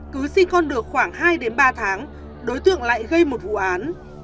cứ sinh con được khoảng hai ba tháng đối tượng lại gây một vụ án